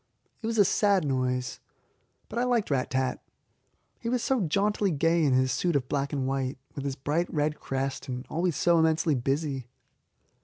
It was a sad noise, but I liked Rat tat. He was so jauntily gay in his suit of black and white, with his bright red crest, and always so immensely busy.